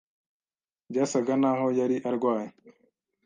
Byasaga naho yari arwaye.